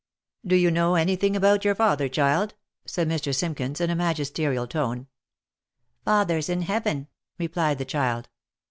" Do you know any thing about your father, child ?" said Mr. Simkins in a magisterial tone. " Father's in heaven," replied the child.